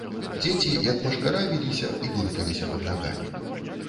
Дзеці, як машкара, віліся і блыталіся пад нагамі.